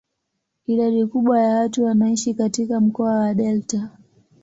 Idadi kubwa ya watu wanaishi katika mkoa wa delta.